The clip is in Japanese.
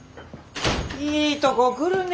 いいとこ来るね。